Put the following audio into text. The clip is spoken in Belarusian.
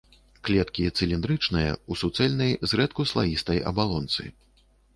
Клеткі цыліндрычныя, у суцэльнай, зрэдку слаістай абалонцы.